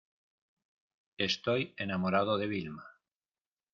estoy enamorado de Vilma.